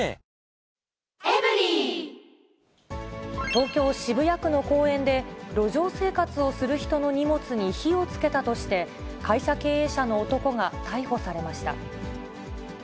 東京・渋谷区の公園で、路上生活をする人の荷物に火をつけたとして、会社経営者の男が逮捕されました。